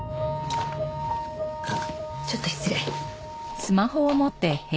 あっちょっと失礼。